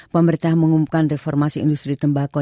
pemerintah mengumumkan reformasi industri tembakau